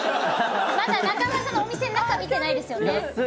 まだ中村さんのお店の中見てないですよね。